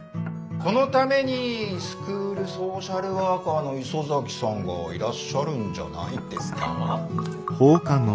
そのためにスクールソーシャルワーカーの磯崎さんがいらっしゃるんじゃないですか？